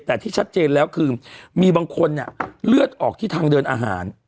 แต่ที่ชัดเจนแล้วคือมีบางคนเนี่ยเลือดออกที่ทางเดินอาหาร